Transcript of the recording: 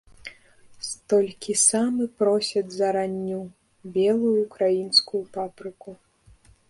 Столькі самы просяць за раннюю, белую ўкраінскую папрыку.